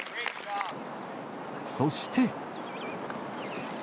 そして。